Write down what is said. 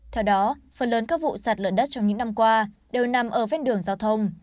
theo đó phần lớn các vụ sạt lở đất trong những năm qua đều nằm ở ven đường giao thông